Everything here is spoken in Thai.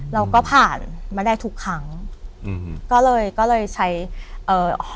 เราก็ผ่านมาได้ทุกครั้งอืมก็เลยก็เลยใช้เอ่อ